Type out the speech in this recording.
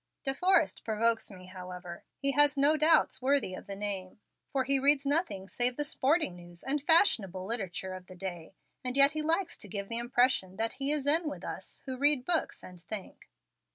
"De Forrest provokes me, however. He has no doubts worthy of the name, for he reads nothing save the sporting news and fashionable literature of the day, and yet he likes to give the impression that he is in with us, who read books and think."